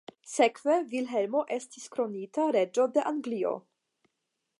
Sekve Vilhelmo estis kronita reĝo de Anglio.